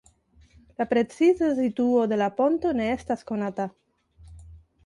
La preciza situo de la ponto ne estas konata.